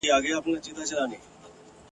چي اشرف د مخلوقاتو د سبحان دی !.